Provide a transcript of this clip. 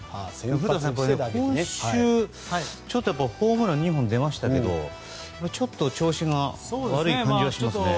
今週、ホームラン２本出ましたけど、ちょっと調子が悪い感じがしますね。